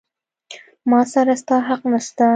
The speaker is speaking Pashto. ما سره ستا حق نسته.